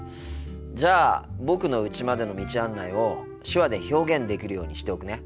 じゃあ僕のうちまでの道案内を手話で表現できるようにしておくね。